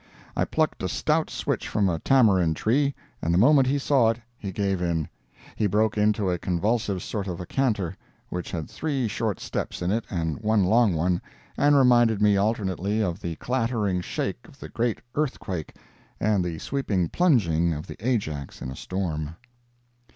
I plucked a stout switch from a tamarind tree, and the moment he saw it, he gave in. He broke into a convulsive sort of a canter, which had three short steps in it and one long one, and reminded me alternately of the clattering shake of the great earthuake, and the sweeping plunging of the Ajax in a storm.